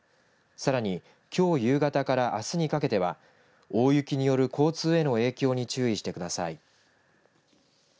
さらにきょう夕方からあすにかけては大雪による交通への影響に注意してください。